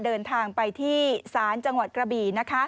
เดินทางไปที่ศาลจังหวัดกระบี่